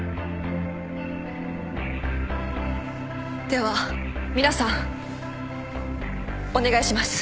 では皆さんお願いします。